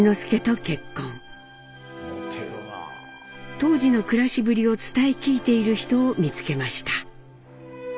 当時の暮らしぶりを伝え聞いている人を見つけました。